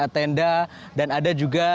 tenda dan ada juga